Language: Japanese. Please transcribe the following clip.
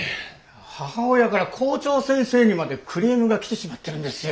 母親から校長先生にまでクレームが来てしまってるんですよ。